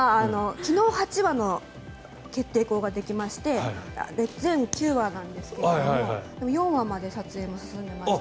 昨日８話の決定稿ができまして全９話なんですが４話まで撮影が進んでいまして。